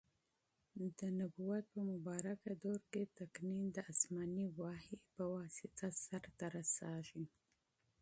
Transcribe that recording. د نبوت په مبارکه دور کي تقنین د اسماني وحي په واسطه سرته رسیږي.